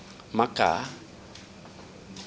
yang ketiga adalah kebebasan berbicara